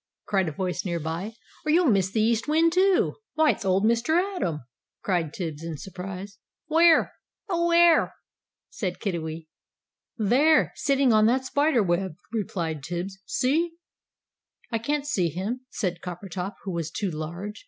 cried a voice near by, "or you'll miss the East Wind, too." "Why, it's old Mr. Atom!" cried Tibbs, in surprise. "Where? Oh, where?" said Kiddiwee. "There, sitting on that spider web," replied Tibbs. "See!" "I can't see him," said Coppertop, who was too large.